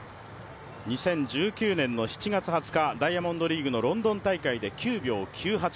２０１９年の７月２０日ダイヤモンドリーグのロンドン大会で９秒９８。